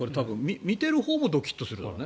見てるほうもドキッとするね。